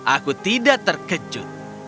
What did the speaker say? aku tidak terkejut